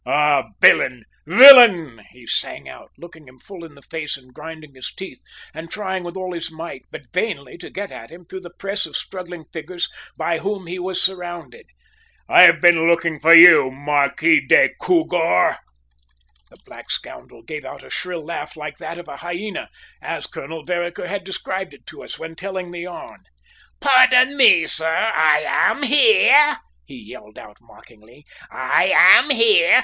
"Ah, villain, villain!" he sang out, looking him full in the face and grinding his teeth and trying with all his might, but vainly, to get at him through the press of struggling figures by whom he was surrounded. "I've been looking for you, Marquis des Coupgorges!" The black scoundrel gave out a shrill laugh like that of a hyena, as Colonel Vereker had described it to us when telling his yarn. "Pardon me, sir, I am here," he yelled out mockingly. "I am here.